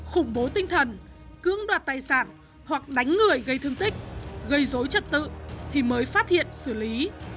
khủng bố tinh thần cưỡng đoạt tài sản hoặc đánh người gây thương tích gây dối trật tự thì mới phát hiện xử lý